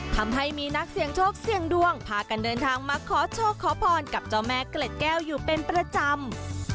ทำให้มีนักเสี่ยงโชคเสี่ยงดวงพากันเดินทางมาขอโชคขอพรกับเจ้าแม่เกล็ดแก้วอยู่เป็นประจำ